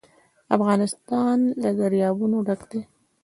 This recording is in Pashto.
افغانستان له دریابونه ډک دی.